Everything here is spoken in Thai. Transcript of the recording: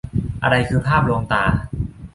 อะไรคือภาพลวงตา